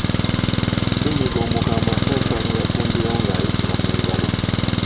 Ssennyiga omukambwe asaasaanira ku mbiro ng’ayitira mu ngalo.